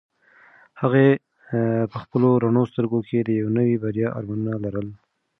هغې په خپلو رڼو سترګو کې د یوې نوې بریا ارمانونه لرل.